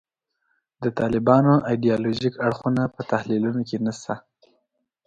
د طالبانو ایدیالوژیک اړخونه په تحلیلونو کې نشته.